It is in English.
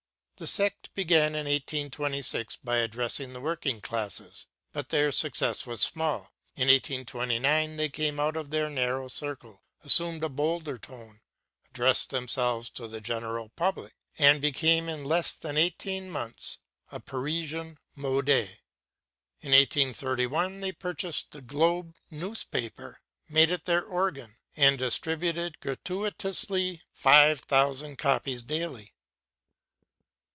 The sect began in 1826 by addressing the working classes; but their success was small. In 1829 they came out of their narrow circle, assumed a bolder tone, addressed themselves to the general public, and became in less than eighteen months a Parisian mode. In 1831 they purchased the Globe newspaper, made it their organ, and distributed gratuitously five thousand copies daily.